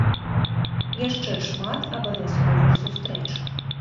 Яшчэ шмат абавязковых сустрэч.